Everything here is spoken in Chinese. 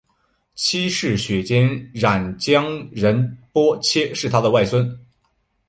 七世雪谦冉江仁波切是他的外孙。